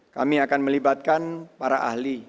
kami akan melibatkan para ahli